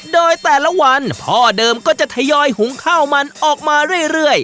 โดยแต่ละวันพ่อเดิมก็จะทยอยหุงข้าวมันออกมาเรื่อย